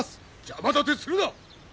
邪魔立てするな！